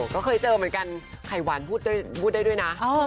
เขาเคยเจอเหมือนกันไขวันพูดกันด้วยนะ